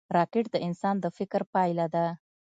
راکټ د انسان د فکر پایله ده